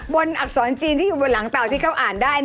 อักษรจีนที่อยู่บนหลังเต่าที่เขาอ่านได้